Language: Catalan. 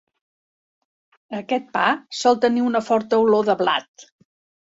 Aquest pa sol tenir una forta olor de blat.